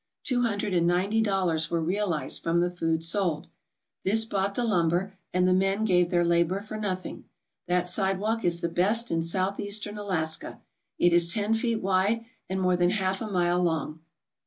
Two hundred and ninety dollars were realized from the food sold. This bought the lurtiber, and the men gave their labour for nothing. That sidewalk is the best in Southeastern Alaska, It is ten feet wide and more than half a mile long.